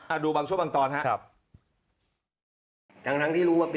อ่ะดูบางชั่วบางตอนครับ